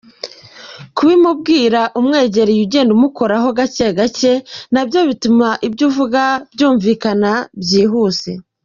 Kubimubwira mwegeranye ugenda umukoraho gake gake nabyo bituma ibyo uvuga byumvikana byihuse.